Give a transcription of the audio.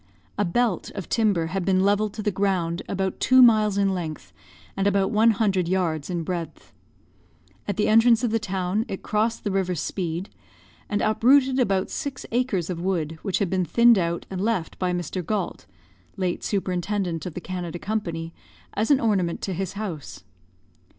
A belt of timber had been levelled to the ground about two miles in length, and about one hundred yards in breadth. At the entrance of the town it crossed the river Speed, and uprooted about six acres of wood, which had been thinned out, and left by Mr. Galt (late superintendent of the Canada Company), as an ornament to his house.